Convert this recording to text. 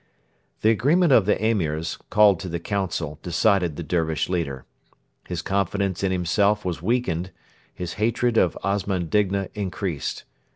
The agreement of the Emirs, called to the council, decided the Dervish leader. His confidence in himself was weakened, his hatred of Osman Digna increased.